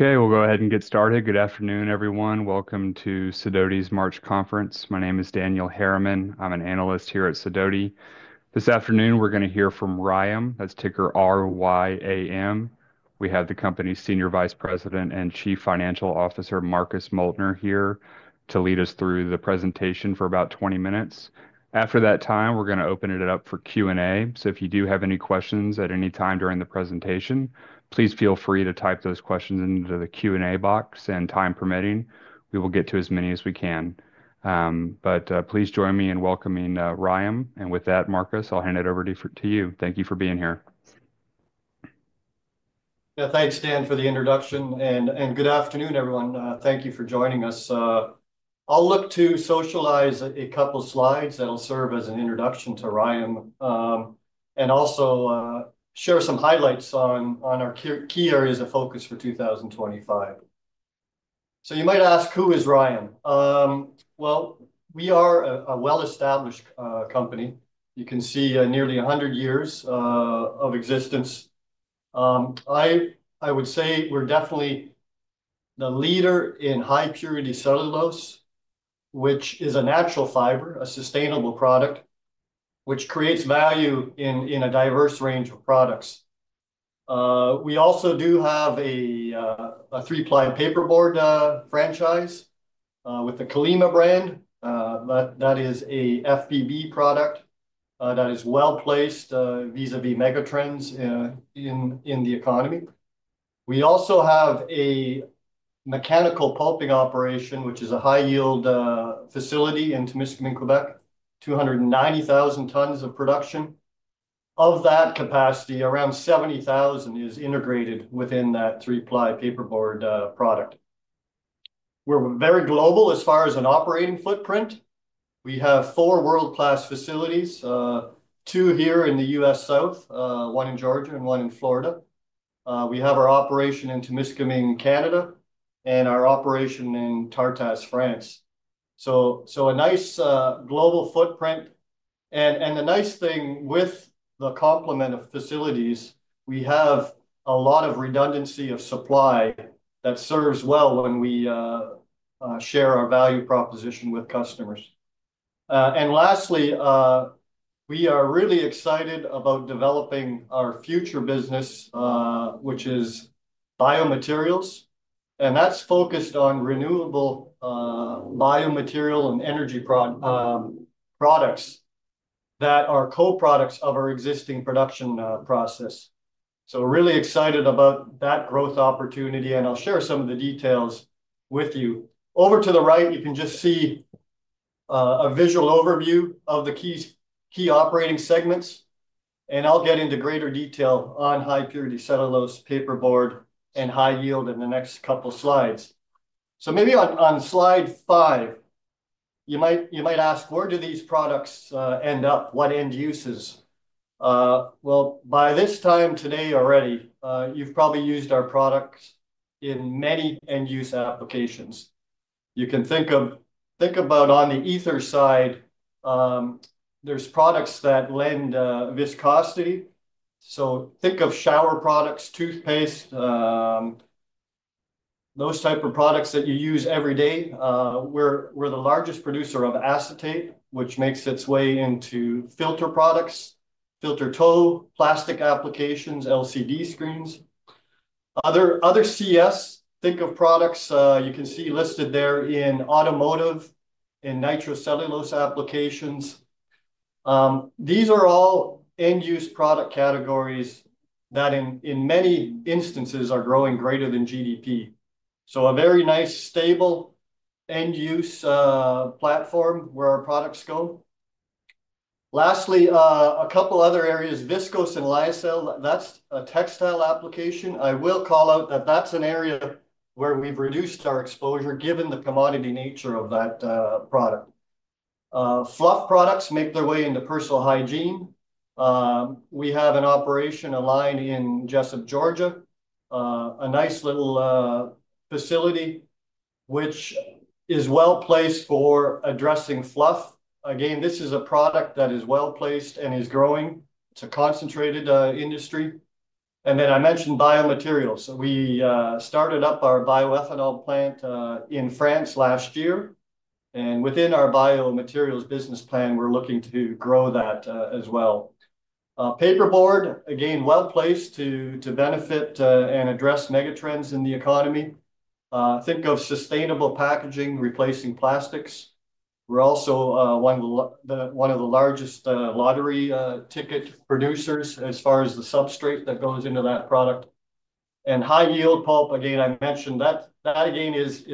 Okay, we'll go ahead and get started. Good afternoon, everyone. Welcome to Sidoti's March conference. My name is Daniel Harriman. I'm an analyst here at Sidoti. This afternoon, we're going to hear from RYAM, that's ticker R-Y-A-M. We have the company's Senior Vice President and Chief Financial Officer, Marcus Moeltner, here to lead us through the presentation for about 20 minutes. After that time, we're going to open it up for Q&A. If you do have any questions at any time during the presentation, please feel free to type those questions into the Q&A box, and time permitting, we will get to as many as we can. Please join me in welcoming RYAM. With that, Marcus, I'll hand it over to you. Thank you for being here. Yeah, thanks, Dan, for the introduction. Good afternoon, everyone. Thank you for joining us. I'll look to socialize a couple of slides that'll serve as an introduction to RYAM, and also share some highlights on our key areas of focus for 2025. You might ask, who is RYAM? We are a well-established company. You can see nearly 100 years of existence. I would say we're definitely the leader in high-purity cellulose, which is a natural fiber, a sustainable product, which creates value in a diverse range of products. We also do have a three-ply paperboard franchise with the Kallima brand. That is an FBB product that is well-placed vis-à-vis megatrends in the economy. We also have a mechanical pulping operation, which is a high-yield facility in Temiskaming, Quebec, 290,000 tons of production. Of that capacity, around 70,000 is integrated within that three-ply paperboard product. We're very global as far as an operating footprint. We have four world-class facilities, two here in the U.S. South, one in Georgia, and one in Florida. We have our operation in Temiskaming, Canada, and our operation in Tartas, France. A nice global footprint. The nice thing with the complement of facilities, we have a lot of redundancy of supply that serves well when we share our value proposition with customers. Lastly, we are really excited about developing our future business, which is biomaterials. That's focused on renewable biomaterial and energy products that are co-products of our existing production process. Really excited about that growth opportunity. I'll share some of the details with you. Over to the right, you can just see a visual overview of the key operating segments. I'll get into greater detail on high-purity cellulose, paperboard, and high yield in the next couple of slides. Maybe on Slide five, you might ask, where do these products end up? What end uses? By this time today already, you've probably used our products in many end-use applications. You can think about on the ether side, there's products that lend viscosity. Think of shower products, toothpaste, those types of products that you use every day. We're the largest producer of acetate, which makes its way into filter products, filter tow, plastic applications, LCD screens. Other CS, think of products you can see listed there in automotive and nitrocellulose applications. These are all end-use product categories that in many instances are growing greater than GDP. A very nice, stable end-use platform where our products go. Lastly, a couple of other areas, viscose and lyocell, that's a textile application. I will call out that that's an area where we've reduced our exposure given the commodity nature of that product. Fluff products make their way into personal hygiene. We have an operation aligned in Jesup, Georgia, a nice little facility which is well-placed for addressing fluff. Again, this is a product that is well-placed and is growing. It's a concentrated industry. I mentioned biomaterials. We started up our bioethanol plant in France last year. Within our biomaterials business plan, we're looking to grow that as well. Paperboard, again, well-placed to benefit and address megatrends in the economy. Think of sustainable packaging, replacing plastics. We're also one of the largest lottery ticket producers as far as the substrate that goes into that product. High-yield pulp, again, I mentioned that again is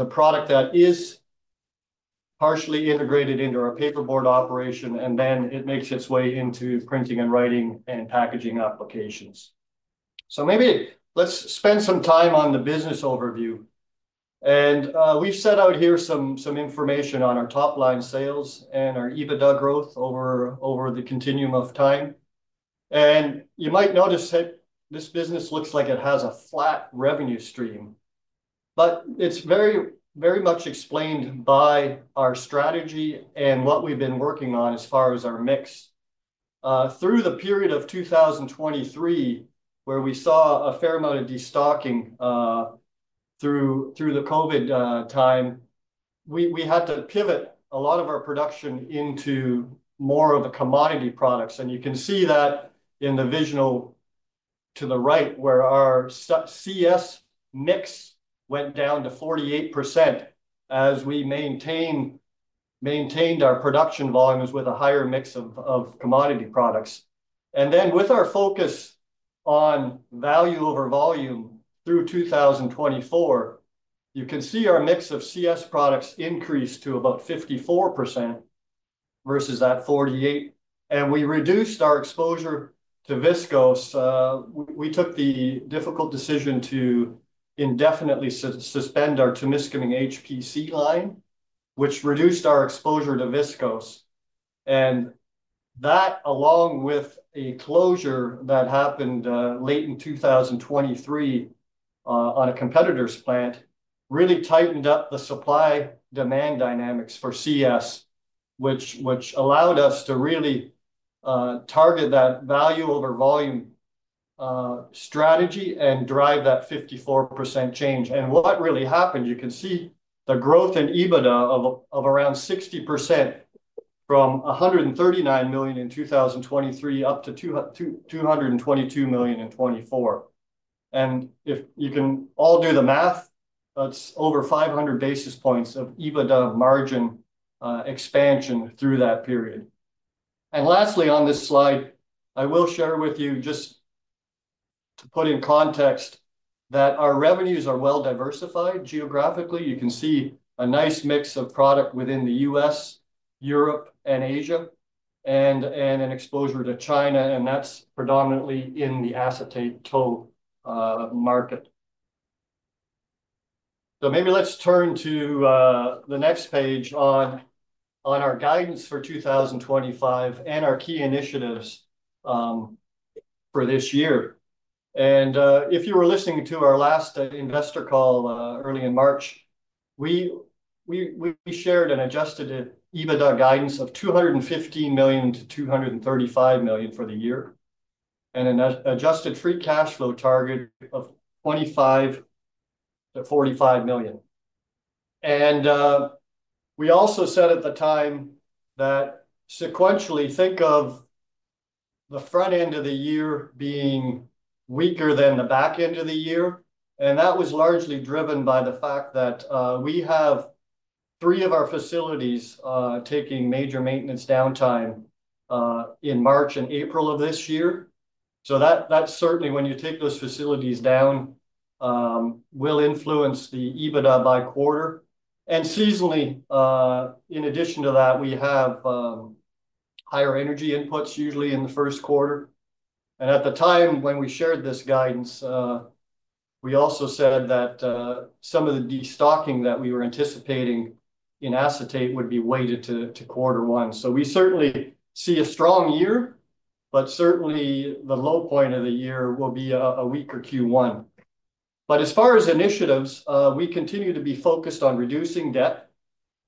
a product that is partially integrated into our paperboard operation, and then it makes its way into printing and writing and packaging applications. Maybe let's spend some time on the business overview. We have set out here some information on our top-line sales and our EBITDA growth over the continuum of time. You might notice that this business looks like it has a flat revenue stream, but it is very much explained by our strategy and what we have been working on as far as our mix. Through the period of 2023, where we saw a fair amount of destocking through the COVID time, we had to pivot a lot of our production into more of the commodity products. You can see that in the visual to the right, where our CS mix went down to 48% as we maintained our production volumes with a higher mix of commodity products. With our focus on value over volume through 2024, you can see our mix of CS products increased to about 54% versus that 48%. We reduced our exposure to viscose. We took the difficult decision to indefinitely suspend our Temiskaming HPC line, which reduced our exposure to viscose. That, along with a closure that happened late in 2023 on a competitor's plant, really tightened up the supply-demand dynamics for CS, which allowed us to really target that value over volume strategy and drive that 54% change. What really happened, you can see the growth in EBITDA of around 60% from $139 million in 2023 up to $222 million in 2024. If you can all do the math, that's over 500 basis points of EBITDA margin expansion through that period. Lastly, on this slide, I will share with you just to put in context that our revenues are well-diversified geographically. You can see a nice mix of product within the U.S., Europe, and Asia, and an exposure to China. That's predominantly in the acetate tow market. Maybe let's turn to the next page on our guidance for 2025 and our key initiatives for this year. If you were listening to our last investor call early in March, we shared an adjusted EBITDA guidance of $215 million-$235 million for the year, and an adjusted free cash flow target of $25 million-$45 million. We also said at the time that sequentially, think of the front end of the year being weaker than the back end of the year. That was largely driven by the fact that we have three of our facilities taking major maintenance downtime in March and April of this year. That certainly, when you take those facilities down, will influence the EBITDA by quarter. Seasonally, in addition to that, we have higher energy inputs usually in the first quarter. At the time when we shared this guidance, we also said that some of the destocking that we were anticipating in acetate would be weighted to quarter one. We certainly see a strong year, but certainly the low point of the year will be a weaker Q1. As far as initiatives, we continue to be focused on reducing debt.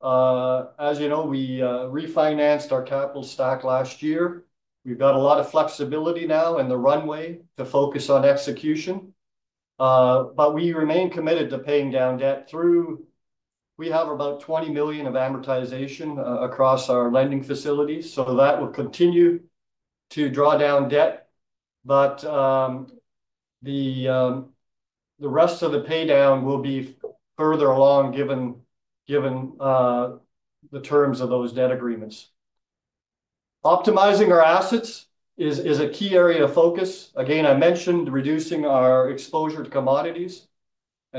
As you know, we refinanced our capital stock last year. We've got a lot of flexibility now in the runway to focus on execution. We remain committed to paying down debt. We have about $20 million of amortization across our lending facilities. That will continue to draw down debt. The rest of the paydown will be further along given the terms of those debt agreements. Optimizing our assets is a key area of focus. Again, I mentioned reducing our exposure to commodities.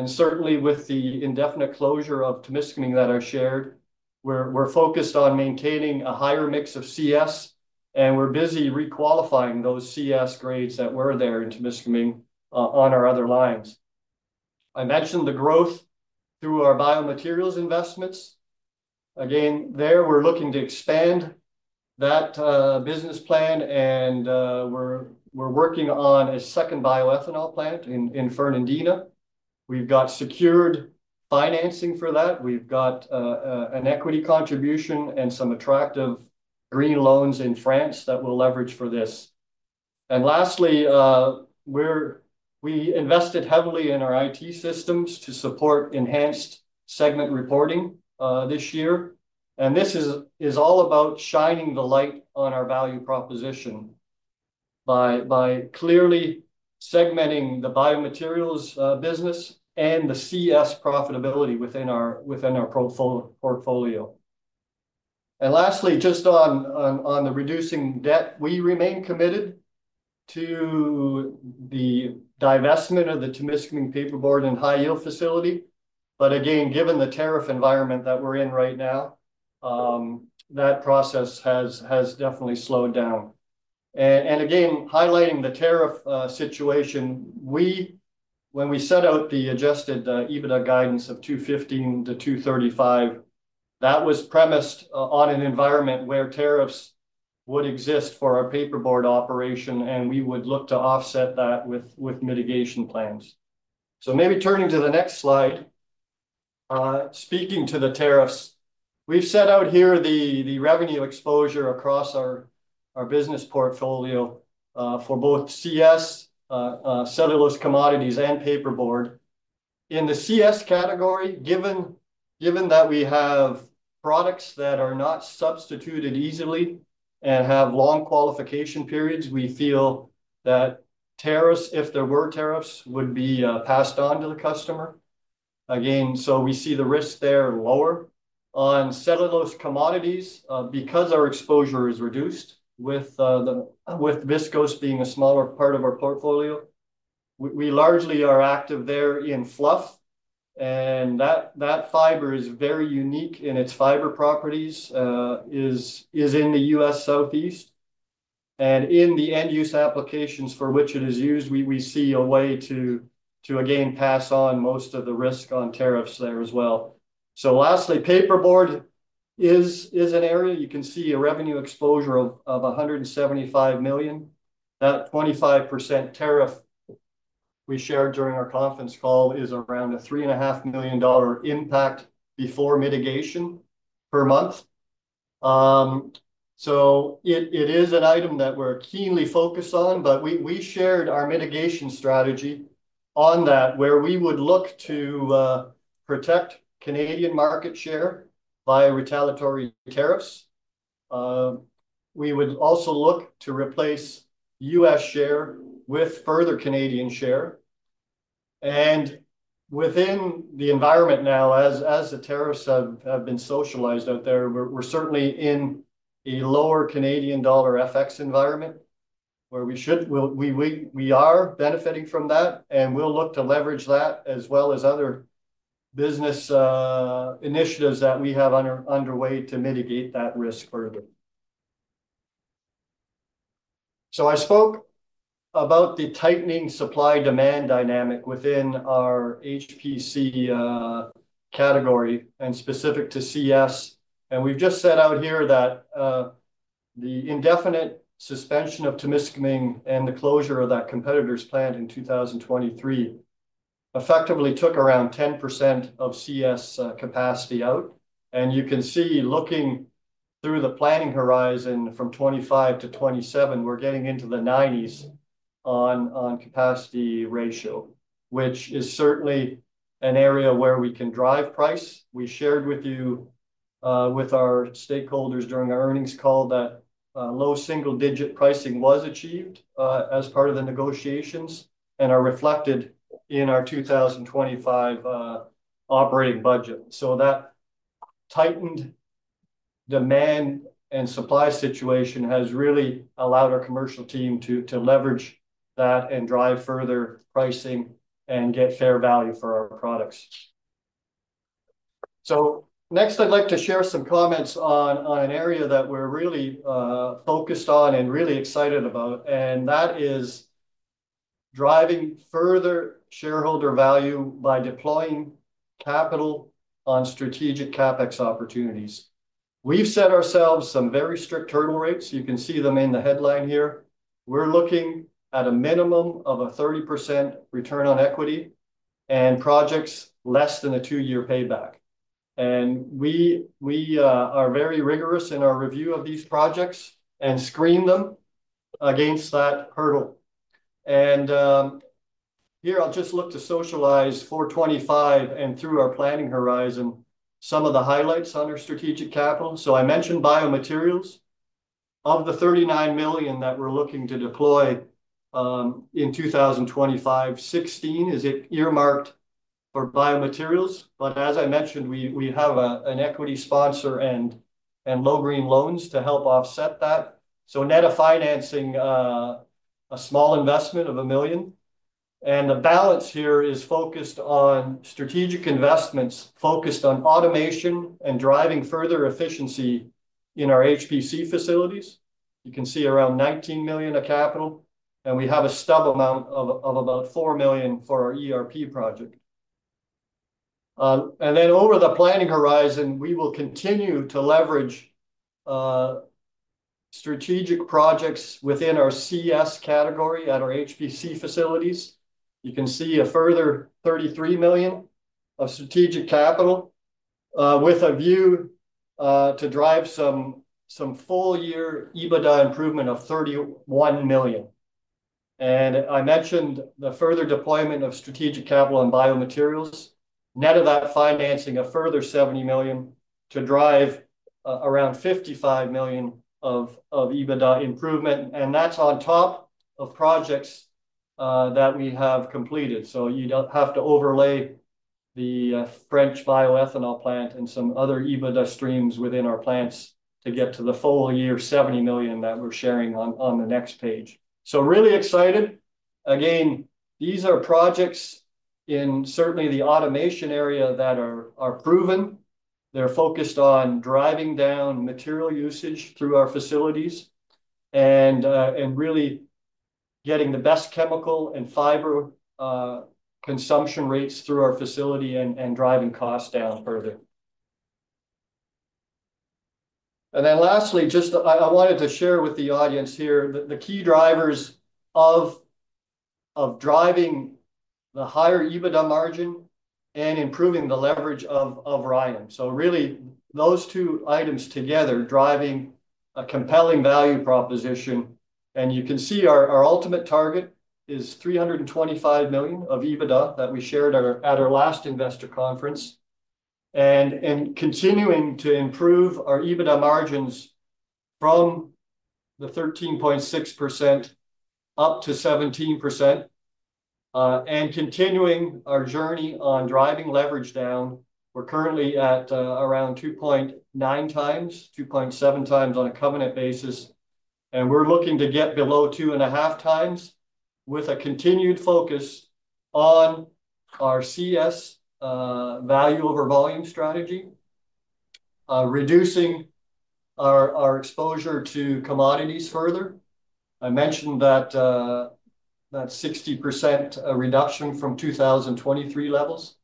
Certainly with the indefinite closure of Temiskaming that I shared, we're focused on maintaining a higher mix of CS. We're busy requalifying those CS grades that were there in Temiskaming on our other lines. I mentioned the growth through our biomaterials investments. Again, there we're looking to expand that business plan. We're working on a second bioethanol plant in Fernandina. We've got secured financing for that. We've got an equity contribution and some attractive green loans in France that we'll leverage for this. Lastly, we invested heavily in our IT systems to support enhanced segment reporting this year. This is all about shining the light on our value proposition by clearly segmenting the biomaterials business and the CS profitability within our portfolio. Lastly, just on the reducing debt, we remain committed to the divestment of the Temiskaming paperboard and high-yield facility. Again, given the tariff environment that we're in right now, that process has definitely slowed down. Highlighting the tariff situation, when we set out the adjusted EBITDA guidance of $215 million-$235 million, that was premised on an environment where tariffs would exist for our paperboard operation, and we would look to offset that with mitigation plans. Maybe turning to the next slide, speaking to the tariffs, we've set out here the revenue exposure across our business portfolio for both CS, cellulose commodities, and paperboard. In the CS category, given that we have products that are not substituted easily and have long qualification periods, we feel that tariffs, if there were tariffs, would be passed on to the customer. Again, we see the risk there lower on cellulose commodities because our exposure is reduced with viscose being a smaller part of our portfolio. We largely are active there in fluff. That fiber is very unique in its fiber properties, is in the U.S. Southeast. In the end-use applications for which it is used, we see a way to, again, pass on most of the risk on tariffs there as well. Lastly, paperboard is an area. You can see a revenue exposure of $175 million. That 25% tariff we shared during our conference call is around a $3.5 million impact before mitigation per month. It is an item that we're keenly focused on. We shared our mitigation strategy on that, where we would look to protect Canadian market share by retaliatory tariffs. We would also look to replace U.S. share with further Canadian share. Within the environment now, as the tariffs have been socialized out there, we're certainly in a lower Canadian dollar FX environment, where we are benefiting from that. We'll look to leverage that as well as other business initiatives that we have underway to mitigate that risk further. I spoke about the tightening supply-demand dynamic within our HPC category and specific to CS. We have just set out here that the indefinite suspension of Temiskaming and the closure of that competitor's plant in 2023 effectively took around 10% of CS capacity out. You can see looking through the planning horizon from 2025 to 2027, we are getting into the 90s on capacity ratio, which is certainly an area where we can drive price. We shared with you, with our stakeholders during our earnings call, that low single-digit pricing was achieved as part of the negotiations and is reflected in our 2025 operating budget. That tightened demand and supply situation has really allowed our commercial team to leverage that and drive further pricing and get fair value for our products. Next, I would like to share some comments on an area that we are really focused on and really excited about. That is driving further shareholder value by deploying capital on strategic CapEx opportunities. We have set ourselves some very strict hurdle rates. You can see them in the headline here. We are looking at a minimum of a 30% return on equity and projects less than a two-year payback. We are very rigorous in our review of these projects and screen them against that hurdle. Here, I will just look to socialize for 2025 and through our planning horizon some of the highlights on our strategic capital. I mentioned biomaterials. Of the $39 million that we are looking to deploy in 2025, $16 million is earmarked for biomaterials. As I mentioned, we have an equity sponsor and low-green loans to help offset that. Net of financing, a small investment of $1 million. The balance here is focused on strategic investments focused on automation and driving further efficiency in our HPC facilities. You can see around $19 million of capital. We have a stub amount of about $4 million for our ERP project. Over the planning horizon, we will continue to leverage strategic projects within our CS category at our HPC facilities. You can see a further $33 million of strategic capital with a view to drive some full-year EBITDA improvement of $31 million. I mentioned the further deployment of strategic capital in biomaterials. Net of that financing, a further $70 million to drive around $55 million of EBITDA improvement. That is on top of projects that we have completed. You do not have to overlay the French bioethanol plant and some other EBITDA streams within our plants to get to the full-year $70 million that we are sharing on the next page. Really excited. Again, these are projects in certainly the automation area that are proven. They are focused on driving down material usage through our facilities and really getting the best chemical and fiber consumption rates through our facility and driving costs down further. Lastly, I wanted to share with the audience here the key drivers of driving the higher EBITDA margin and improving the leverage of RYAM. Really, those two items together driving a compelling value proposition. You can see our ultimate target is $325 million of EBITDA that we shared at our last investor conference. Continuing to improve our EBITDA margins from the 13.6% up to 17%. Continuing our journey on driving leverage down. We're currently at around 2.9x, 2.7x on a covenant basis. We're looking to get below 2.5x with a continued focus on our CS value over volume strategy, reducing our exposure to commodities further. I mentioned that 60% reduction from 2023 levels.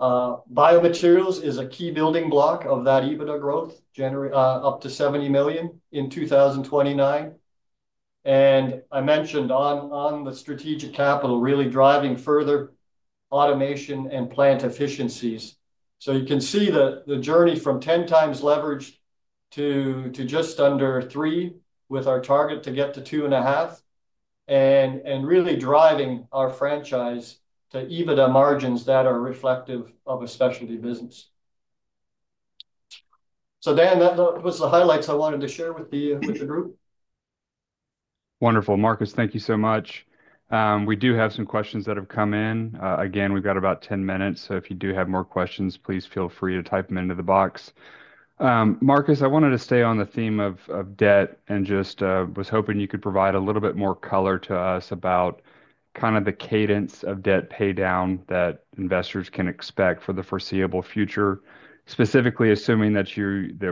Biomaterials is a key building block of that EBITDA growth, up to $70 million in 2029. I mentioned on the strategic capital, really driving further automation and plant efficiencies. You can see the journey from 10x leveraged to just under 3 with our target to get to 2.5 and really driving our franchise to EBITDA margins that are reflective of a specialty business. Dan, that was the highlights I wanted to share with the group. Wonderful. Marcus, thank you so much. We do have some questions that have come in. Again, we've got about 10 minutes. If you do have more questions, please feel free to type them into the box. Marcus, I wanted to stay on the theme of debt and just was hoping you could provide a little bit more color to us about kind of the cadence of debt paydown that investors can expect for the foreseeable future, specifically assuming that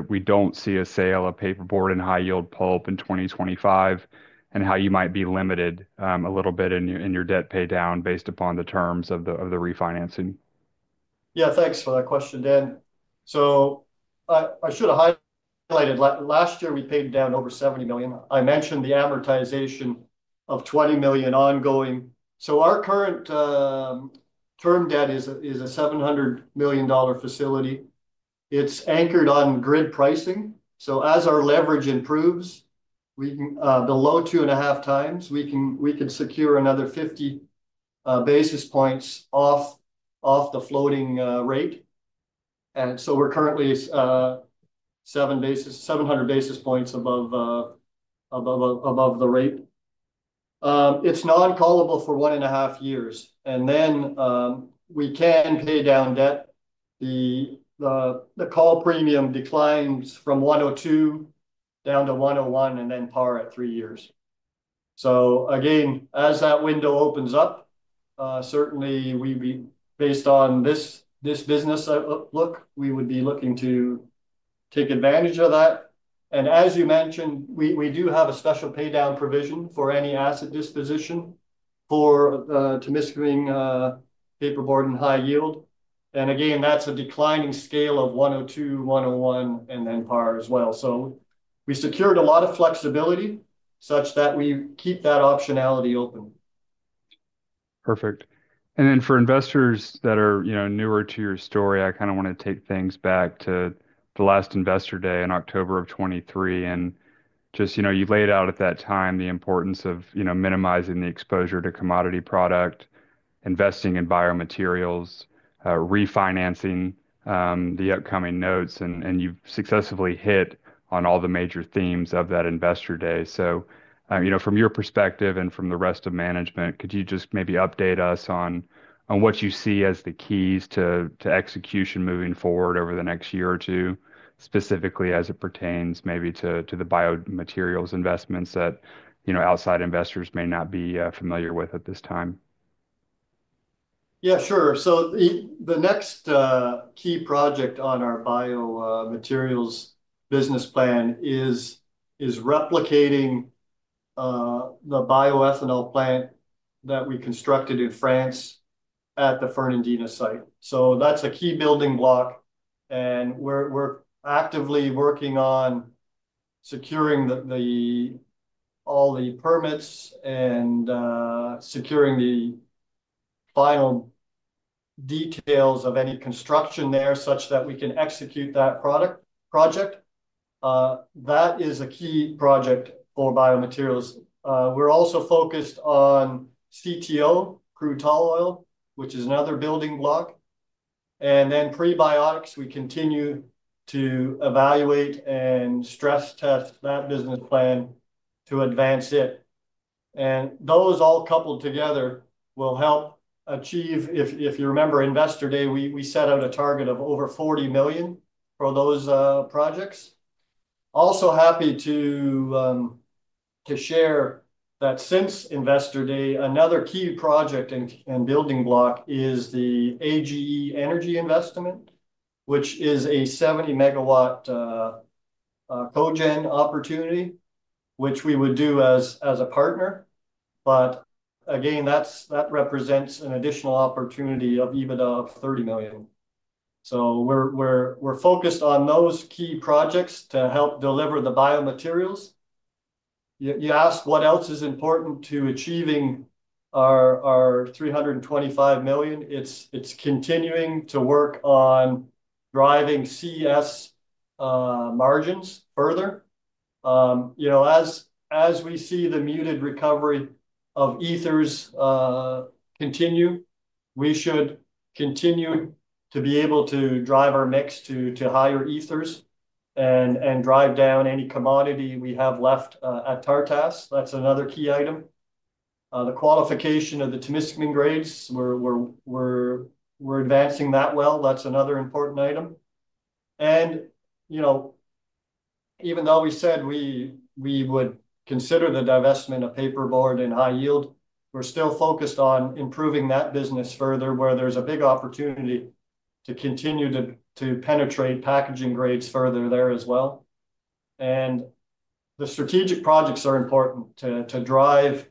we do not see a sale of paperboard and high-yield pulp in 2025 and how you might be limited a little bit in your debt paydown based upon the terms of the refinancing. Yeah, thanks for that question, Dan. I should have highlighted last year we paid down over $70 million. I mentioned the amortization of $20 million ongoing. Our current term debt is a $700 million facility. It is anchored on grid pricing. As our leverage improves, below 2.5x, we can secure another 50 basis points off the floating rate. We are currently 700 basis points above the rate. It is non-callable for one and a half years. Then we can pay down debt. The call premium declines from 102 down to 101 and then par at three years. Again, as that window opens up, certainly based on this business look, we would be looking to take advantage of that. As you mentioned, we do have a special paydown provision for any asset disposition for Temiskaming paperboard and high yield. That is a declining scale of 102, 101, and then par as well. We secured a lot of flexibility such that we keep that optionality open. Perfect. For investors that are newer to your story, I kind of want to take things back to the last Investor Day in October of 2023. You laid out at that time the importance of minimizing the exposure to commodity product, investing in biomaterials, refinancing the upcoming notes. You have successfully hit on all the major themes of that investor day. From your perspective and from the rest of management, could you just maybe update us on what you see as the keys to execution moving forward over the next year or two, specifically as it pertains maybe to the biomaterials investments that outside investors may not be familiar with at this time? Yeah, sure. The next key project on our biomaterials business plan is replicating the bioethanol plant that we constructed in France at the Fernandina site. That is a key building block. We're actively working on securing all the permits and securing the final details of any construction there such that we can execute that project. That is a key project for biomaterials. We're also focused on CTO, crude tall oil, which is another building block. Prebiotics, we continue to evaluate and stress test that business plan to advance it. Those all coupled together will help achieve, if you remember, investor day, we set out a target of over $40 million for those projects. Also happy to share that since investor day, another key project and building block is the AGE energy investment, which is a 70 MW cogen opportunity, which we would do as a partner. That represents an additional opportunity of EBITDA of $30 million. We're focused on those key projects to help deliver the biomaterials. You asked what else is important to achieving our $325 million. It is continuing to work on driving CS margins further. As we see the muted recovery of ethers continue, we should continue to be able to drive our mix to higher ethers and drive down any commodity we have left at Tartas. That is another key item. The qualification of the Temiskaming grades, we are advancing that well. That is another important item. Even though we said we would consider the divestment of paperboard and high yield, we are still focused on improving that business further where there is a big opportunity to continue to penetrate packaging grades further there as well. The strategic projects are important to drive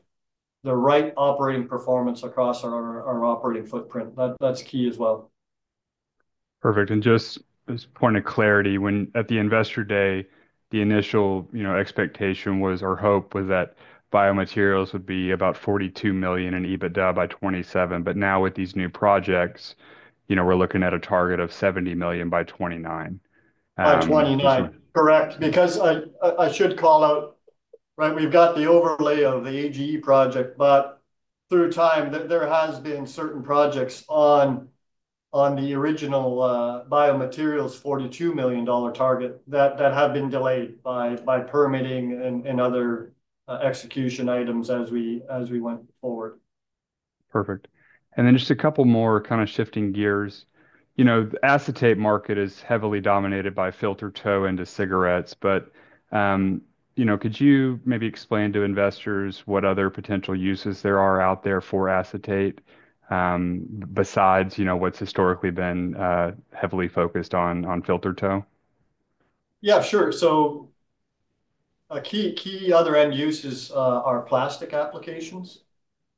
the right operating performance across our operating footprint. That is key as well. Perfect. Just as a point of clarity, at the Investor Day, the initial expectation was or hope was that biomaterials would be about $42 million in EBITDA by 2027. Now with these new projects, we are looking at a target of $70 million by 2029. By 2029, correct. I should call out, right, we have the overlay of the AGE project, but through time, there have been certain projects on the original biomaterials $42 million target that have been delayed by permitting and other execution items as we went forward. Perfect. Just a couple more, kind of shifting gears. The acetate market is heavily dominated by filter tow into cigarettes. Could you maybe explain to investors what other potential uses there are out there for acetate besides what has historically been heavily focused on filter tow? Yeah, sure. Key other end uses are plastic applications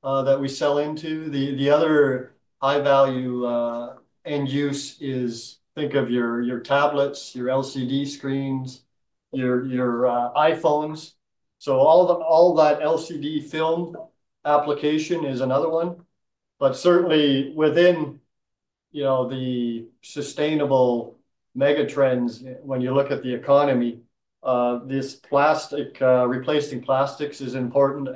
that we sell into. The other high-value end use is think of your tablets, your LCD screens, your iPhones. All that LCD film application is another one. Certainly within the sustainable mega trends, when you look at the economy, this replacing plastics is important.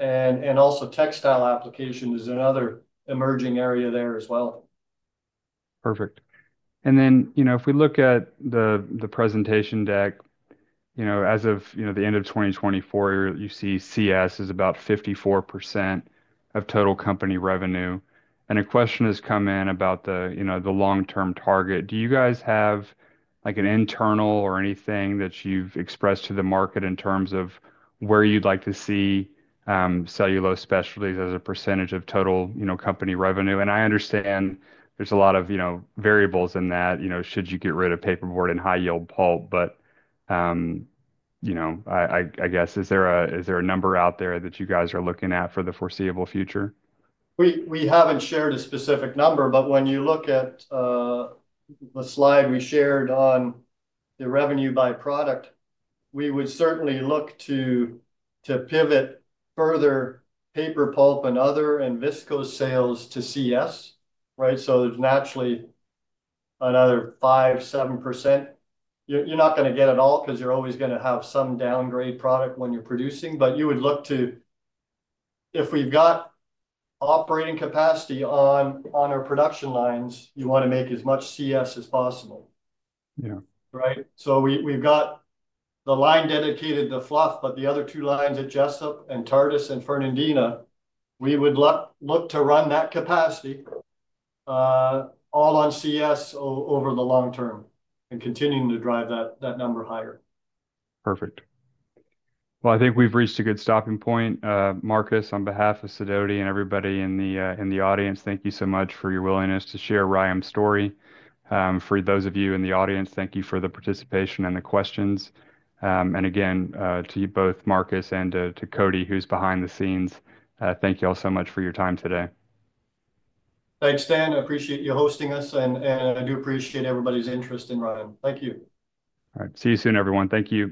Also textile application is another emerging area there as well. Perfect. If we look at the presentation deck, as of the end of 2024, you see CS is about 54% of total company revenue. A question has come in about the long-term target. Do you guys have an internal or anything that you've expressed to the market in terms of where you'd like to see cellulose specialties as a percentage of total company revenue? I understand there's a lot of variables in that. Should you get rid of paperboard and high-yield pulp? I guess, is there a number out there that you guys are looking at for the foreseeable future? We haven't shared a specific number, but when you look at the slide we shared on the revenue by product, we would certainly look to pivot further paper pulp and other and viscose sales to CS, right? There is naturally another 5%-7%. You're not going to get it all because you're always going to have some downgrade product when you're producing. You would look to, if we've got operating capacity on our production lines, you want to make as much CS as possible. Right? We have got the line dedicated to fluff, but the other two lines at Jesup and Tartas and Fernandina, we would look to run that capacity all on CS over the long term and continuing to drive that number higher. Perfect. I think we have reached a good stopping point. Marcus, on behalf of Sidoti and everybody in the audience, thank you so much for your willingness to share RYAM's story. For those of you in the audience, thank you for the participation and the questions. Again, to you both, Marcus and to Cody, who is behind the scenes, thank you all so much for your time today. Thanks, Dan. I appreciate you hosting us. I do appreciate everybody's interest in RYAM. Thank you. All right. See you soon, everyone. Thank you.